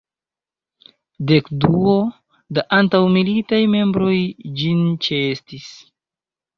Dekduo da antaŭmilitaj membroj ĝin ĉeestis.